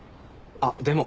あっでも。